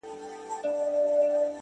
• زه خو یارانو نامعلوم آدرس ته ودرېدم ،